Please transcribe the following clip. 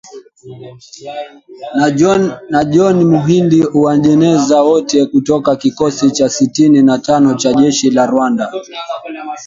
Na John Muhindi Uwajeneza, wote kutoka kikosi cha sitini na tano cha jeshi la Rwanda.